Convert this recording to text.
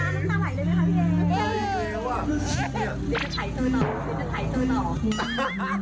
เดี๋ยวจะถ่ายเธอต่อ